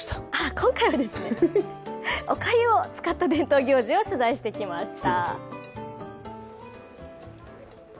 今回は、おかゆを使った伝統行事を取材してきました。